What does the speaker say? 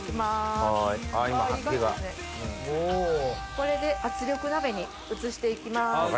これで圧力鍋に移して行きます。